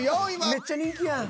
めっちゃ人気やん。